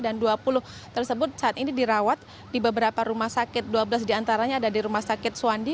dan dua puluh tersebut saat ini dirawat di beberapa rumah sakit dua belas diantaranya ada di rumah sakit suwandi